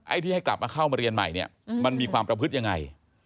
ที่ให้กลับมาเข้ามาเรียนใหม่เนี่ยมันมีความประพฤติยังไง